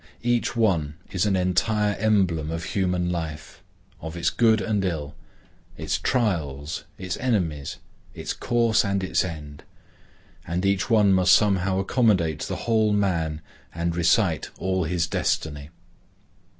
Each one is an entire emblem of human life; of its good and ill, its trials, its enemies, its course and its end. And each one must somehow accommodate the whole man and recite all his destiny.